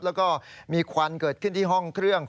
แล้วก็มีควันเกิดขึ้นที่ห้องเครื่อง